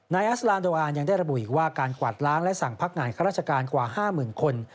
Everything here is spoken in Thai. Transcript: นายอาสลานโดอานยังได้ระบุอีกว่าการกวาดล้างและสั่งพักงานของราชการกว่าห้าหมื่นคน